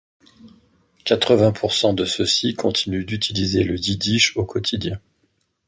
Quatre vingt pour cent de ceux ci continuent d'utiliser le yiddish au quotidien.